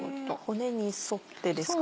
骨に沿ってですか？